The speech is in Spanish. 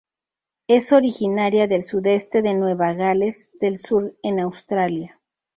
Es originaria del sudeste de Nueva Gales del Sur en Australia.